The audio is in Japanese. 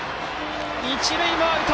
一塁もアウト！